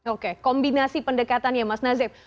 oke kombinasi pendekatan ya mas nazib